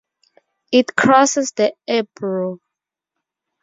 It crosses the Ebro.